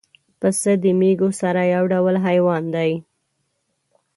پسه د مېږو سره یو ډول حیوان دی.